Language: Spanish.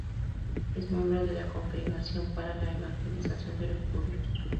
Es miembro de la Congregación para la Evangelización de los Pueblos.